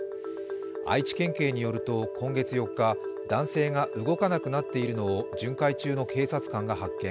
愛知県警によると、今月４日男性が動かなくなっているのを巡回中の警察官が発見。